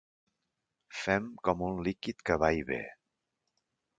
Fem com un líquid que va i ve.